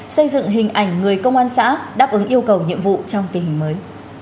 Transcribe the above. xây dựng hình ảnh người công an xã đáp ứng yêu cầu nhiệm vụ trong tình hình mới